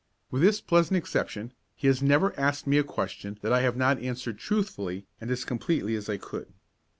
With this pleasant exception he has never asked me a question that I have not answered truthfully and as completely as I could.